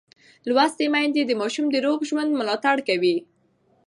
لوستې میندې د ماشوم د روغ ژوند ملاتړ کوي.